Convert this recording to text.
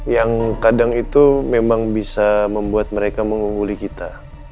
yang kadang itu memang bisa membuat mereka mengungguli kita